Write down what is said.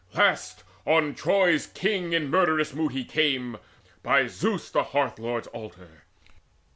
Last, on Troy's king in murderous mood he came. By Zeus the Hearth lord's altar.